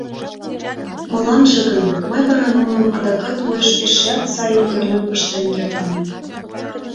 — Моланже гын, мый вара нуным адакат уэш эшеат сайын тӧрлен пыштен кертам.